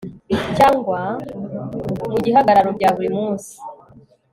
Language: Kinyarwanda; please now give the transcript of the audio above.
cyangwa mu gihagararo byaburi munsi